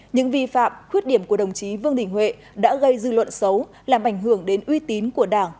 những vi phạm khuyết điểm của đồng chí vương đình huệ đã gây dư luận xấu làm ảnh hưởng đến uy tín của đảng